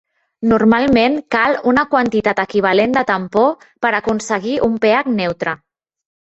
Normalment cal una quantitat equivalent de tampó per aconseguir un pH neutre.